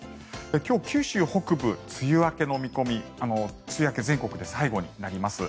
今日、九州北部梅雨明けの見込み梅雨明け、全国で最後になります。